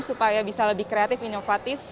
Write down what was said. supaya bisa lebih kreatif inovatif